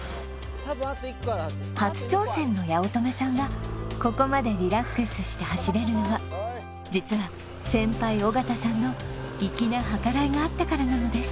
初挑戦の八乙女さんがここまでリラックスして走れるのは実は先輩・尾形さんの粋な計らいがあったからなのです